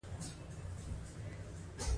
هلته د مدني مبارزې د بریالیتوب کچه ارزول شوې ده.